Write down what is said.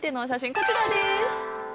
こちらです。